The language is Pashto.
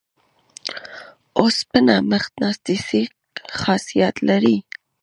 اوسپنه مقناطیسي خاصیت لري.